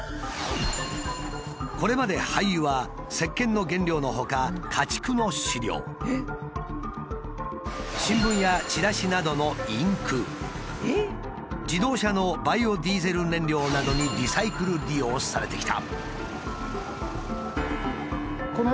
これまで廃油はせっけんの原料のほか新聞やチラシなどの自動車のバイオディーゼル燃料などにリサイクル利用されてきた。